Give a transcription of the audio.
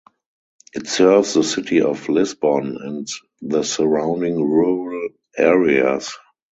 It serves the city of Lisbon and the surrounding rural areas.